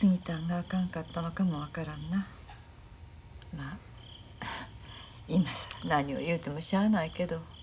まあ今更何を言うてもしゃあないけど。